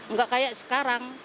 nggak kayak sekarang